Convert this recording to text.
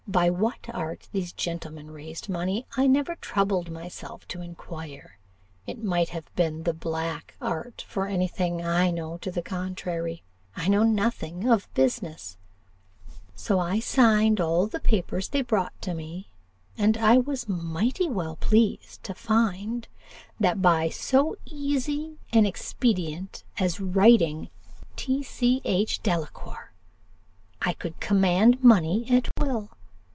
By what art these gentlemen raised money, I never troubled myself to inquire; it might have been the black art, for any thing I know to the contrary. I know nothing of business. So I signed all the papers they brought to me; and I was mighty well pleased to find, that by so easy an expedient as writing 'T. C. H. Delacour,' I could command money at will.